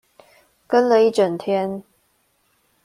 跟了一整天